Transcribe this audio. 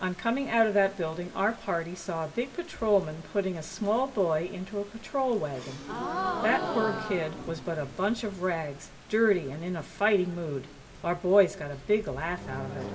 On coming out of that building our party saw a big patrolman putting a small boy into a patrol wagon. That poor kid was but a bunch of rags, dirty, and in a fighting mood. Our boys got a big laugh out of it.